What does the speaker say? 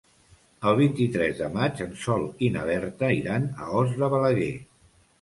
El vint-i-tres de maig en Sol i na Berta iran a Os de Balaguer.